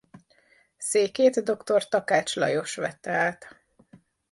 Székét dr. Takács Lajos vette át.